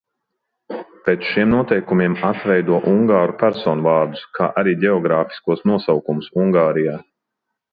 Pēc šiem noteikumiem atveido ungāru personvārdus, kā arī ģeogrāfiskos nosaukumus Ungārijā.